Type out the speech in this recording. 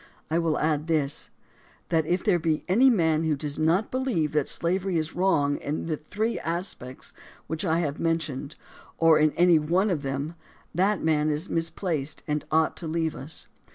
I will add this : that if there be any man who does not believe that slavery is wrong in the three aspects which I have men tioned, or in any one of them, that man is misplaced and ought to leave us.